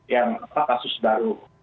yang kasus baru